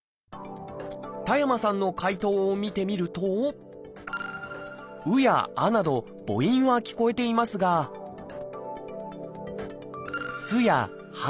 田山さんの解答を見てみると「う」や「あ」など母音は聞こえていますが「す」や「は」